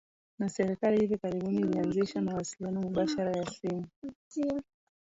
na serikali hivi karibuni ilianzisha mawasiliano mubashara ya simu